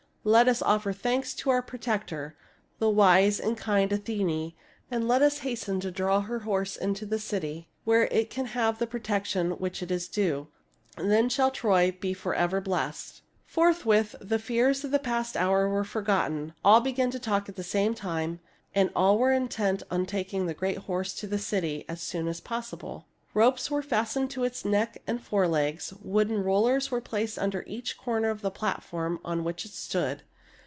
" Let us offer thanks to our protector, the wise and kind Athene ; and let us hasten to draw her horse into the city, where it can have the protection which is its due. Then shall Troy be forever blessed." Forthwith the fears of the past hour were for gotten. All began to talk at the same time, and all were intent upon taking the great horse to the city THE FALL OF TROY 151 as soon as possible. Ropes were fastened to its neck and forelegs. Wooden rollers were placed under each corner of the platform on which it stood.